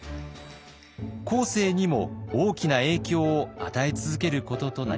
後世にも大きな影響を与え続けることとなります。